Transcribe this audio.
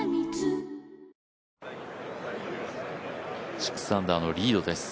６アンダーのリードです。